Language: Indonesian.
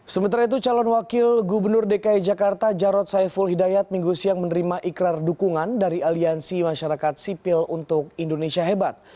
sementara itu calon wakil gubernur dki jakarta jarod saiful hidayat minggu siang menerima ikrar dukungan dari aliansi masyarakat sipil untuk indonesia hebat